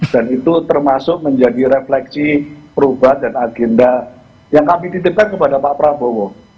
dan itu termasuk menjadi refleksi perubatan agenda yang kami dititipkan kepada pak prabowo